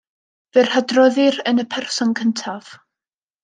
Fe'i hadroddir yn y person cyntaf.